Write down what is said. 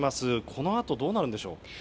このあとどうなるんでしょう。